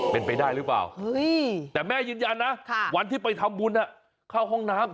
เป็นไปได้หรือเปล่าแต่แม่ยืนยันนะวันที่ไปทำบุญเข้าห้องน้ำ